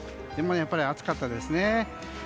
でもやっぱり暑かったですね。